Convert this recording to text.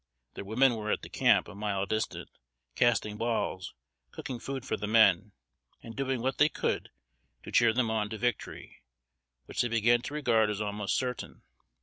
Their women were at the camp, a mile distant, casting balls, cooking food for the men, and doing what they could to cheer them on to victory, which they began to regard as almost certain.